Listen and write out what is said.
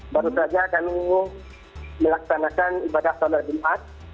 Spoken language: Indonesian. baru saja kami melaksanakan ibadah sholat jumat